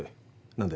何で？